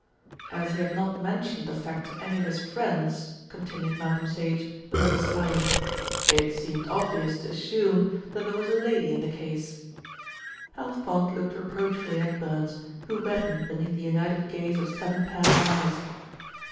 "As he had not mentioned the fact to any of his friends," continued Malcolm Sage, a little slyly, "it seemed obvious to assume that there was a lady in the case." Alf Pond looked reproachfully at Burns, who reddened beneath the united gaze of seven pairs of eyes.